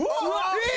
えっ！